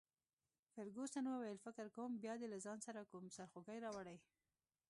فرګوسن وویل: فکر کوم بیا دي له ځان سره کوم سرخوږی راوړی.